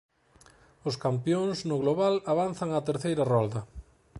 Os campións no global avanzan á terceira rolda.